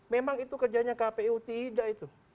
memang itu kerjanya kpu tidak itu